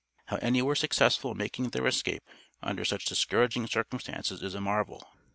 How any were successful in making their escape under such discouraging circumstances is a marvel.